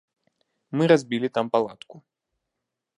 Мы разбілі там палатку.